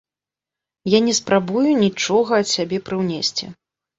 Я не спрабую нічога ад сябе прыўнесці.